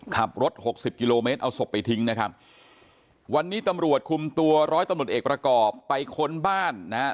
ขับรถหกสิบกิโลเมตรเอาศพไปทิ้งนะครับวันนี้ตำรวจคุมตัวร้อยตำรวจเอกประกอบไปค้นบ้านนะฮะ